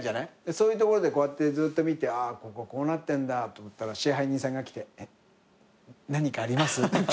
そういうところでこうやってずっと見てこここうなってんだと思ったら支配人さんが来て「えっ？何かあります？」